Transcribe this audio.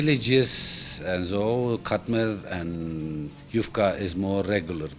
saya pikir di kota dan semua katmer dan yufka lebih reguler